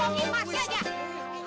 kalian semua ini bagaimana